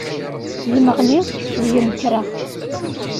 Deg-m ɣliɣ, deg-m kkreɣ.